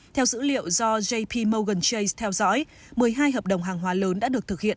theo dữ liệu do jp morganj theo dõi một mươi hai hợp đồng hàng hóa lớn đã được thực hiện